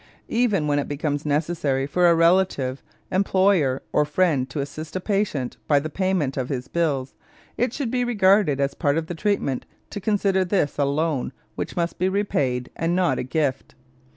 Even when it becomes necessary for a relative, employer, or friend to assist a patient by the payment of his bills, it should be regarded a part of the treatment to consider this a loan, which must be repaid, and not a gift.